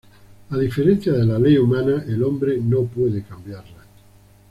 A diferencia de la ley humana, el hombre no puede cambiarla.